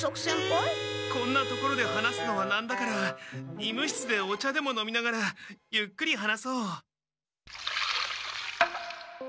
こんな所で話すのはなんだから医務室でお茶でも飲みながらゆっくり話そう。